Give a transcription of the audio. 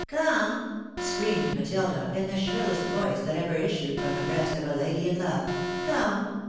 " Come !" screamed Matilda, in the shrillest voice that ever issued from the breast of a lady in love; "come!